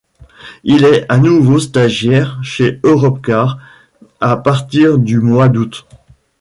Il est à nouveau stagiaire chez Europcar à partir du mois d'août.